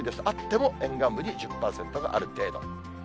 あっても沿岸部に１０％がある程度。